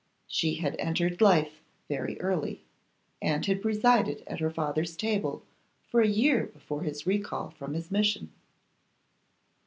She had entered life very early, and had presided at her father's table for a year before his recall from his mission.